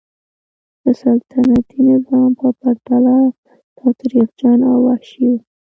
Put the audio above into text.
د سلطنتي نظام په پرتله تاوتریخجن او وحشي و.